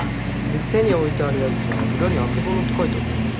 店に置いてあるやつは裏に「曙」って書いてあったよな？